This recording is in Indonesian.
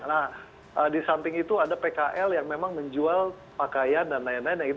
nah di samping itu ada pkl yang memang menjual pakaian dan lain lain